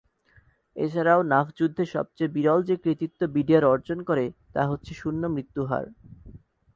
এছাড়াও নাফ যুদ্ধে সবচেয়ে বিরল যে কৃতিত্ব বিডিআর অর্জন করে, তা হচ্ছে শূন্য মৃত্যুহার।